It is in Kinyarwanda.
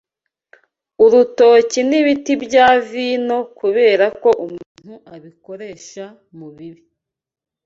[urutoki] n’ibiti bya vino kubera ko umuntu abikoresha mu bibi.